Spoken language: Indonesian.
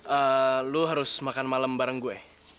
ee lo harus makan malem bareng gue